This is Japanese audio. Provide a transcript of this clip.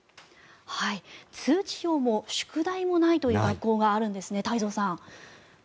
通知表も宿題もないという学校があるんですね、太蔵さん。